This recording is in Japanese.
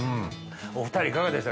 お２人いかがでした？